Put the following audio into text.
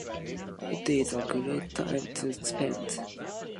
It is a great time to spend outdoors and enjoy the fresh air.